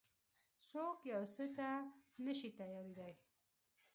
څوک يو څه ته نه شي تيارېدای.